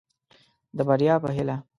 د بريا په هيله.